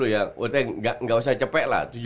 ya udah gak usah capek lah